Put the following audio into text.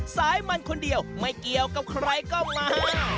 สายมันคนเดียวไม่เกี่ยวกับใครก็มา